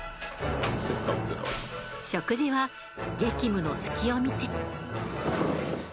食事は激務の隙を見て。